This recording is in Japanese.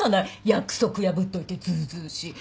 約束破っといてずうずうしい。